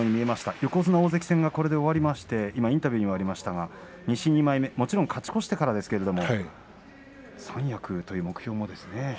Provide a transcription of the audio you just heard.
横綱大関戦がこれで終わりまして今インタビューにもありましたが西の２枚目、もちろん勝ち越してからですけど三役という目標もですね。